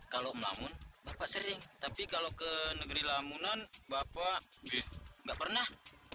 kalau lamun bapak sering tapi kalau ke negeri lamunan bapak nggak pernah